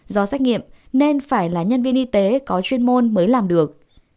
do xét nghiệm nên phải là nhân viên y tế có chuyên môn mới làm được